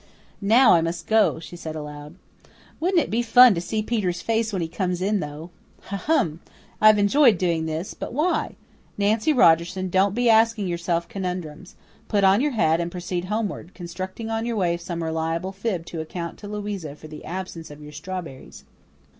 "Now I must go," she said aloud. "Wouldn't it be fun to see Peter's face when he comes in, though? Ha hum! I've enjoyed doing this but why? Nancy Rogerson, don't be asking yourself conundrums. Put on your hat and proceed homeward, constructing on your way some reliable fib to account to Louisa for the absence of your strawberries."